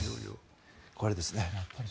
これですね。